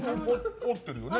合ってるよね。